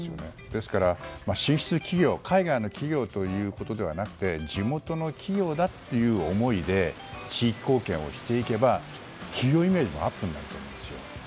ですから、進出企業は海外の企業ということではなく地元の企業だという思いで地域貢献をしていけば企業イメージのアップになると思うんですよ。